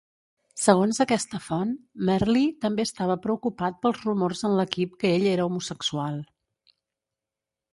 Segons aquesta font, Merli també estava preocupat pels rumors en l'equip que ell era homosexual.